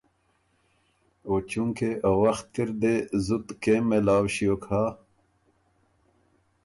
او چونکې ا وخت اِر دې زُت کېم مېلاؤ ݭیوک هۀ